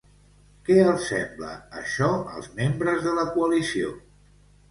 Què els sembla, això, als membres de la coalició?